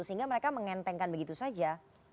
sehingga mereka mengentengkan begitu saja